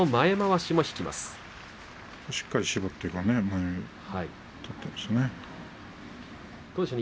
しっかり絞って取っていますね。